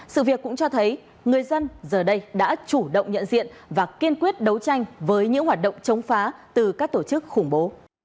sự việc cũng cho thấy người dân giờ đây đã chủ động nhận diện và kiên quyết đấu tranh với những hoạt động chống phá từ các tổ chức khủng bố